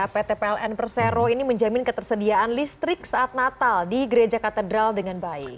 pt pln persero ini menjamin ketersediaan listrik saat natal di gereja katedral dengan baik